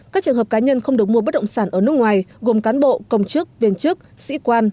các trường hợp cá nhân không được mua bất động sản ở nước ngoài gồm cán bộ công chức viên chức sĩ quan